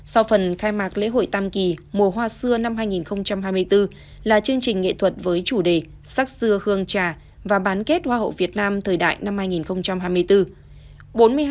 sau phần khai mạc lễ hội tam kỳ mùa hoa xưa năm hai nghìn hai mươi bốn là chương trình nghệ thuật với chủ đề sắc xưa hương trà và bán kết hoa hậu việt nam thời đại năm hai nghìn hai mươi bốn